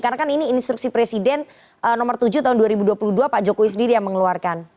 karena kan ini instruksi presiden nomor tujuh tahun dua ribu dua puluh dua pak jokowi sendiri yang mengeluarkan